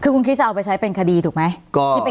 คือคุณคิดจะเอาไปใช้เป็นคดีถูกไหม